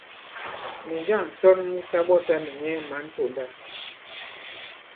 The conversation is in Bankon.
Nì njâŋ ǹsɔn mu sa ɓɔ̀ta nì nyɛ mǎn ponda?